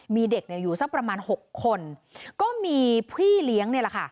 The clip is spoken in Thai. มีเด็กเนี่ยอยู่สักประมาณ๖คนก็มีพี่เลี้ยงเนี่ยแหละค่ะ